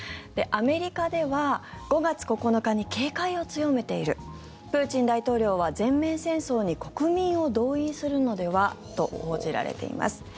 アメリカでは５月９日に警戒を強めているプーチン大統領は全面戦争に国民を動員するのではと報じられています。